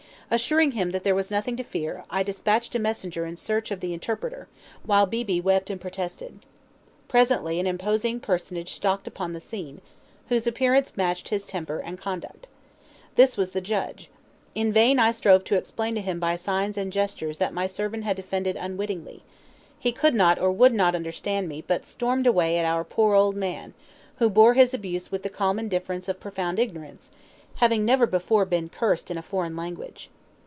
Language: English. Assuring him that there was nothing to fear, I despatched a messenger in search of the interpreter, while Beebe wept and protested. Presently an imposing personage stalked upon the scene, whose appearance matched his temper and his conduct. This was the judge. In vain I strove to explain to him by signs and gestures that my servant had offended unwittingly; he could not or would not understand me; but stormed away at our poor old man, who bore his abuse with the calm indifference of profound ignorance, having never before been cursed in a foreign language.